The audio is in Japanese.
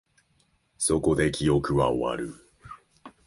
そこで、記憶は終わる